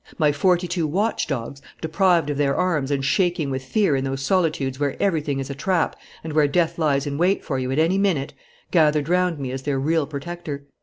My forty two watch dogs, deprived of their arms and shaking with fear in those solitudes where everything is a trap and where death lies in wait for you at any minute, gathered round me as their real protector.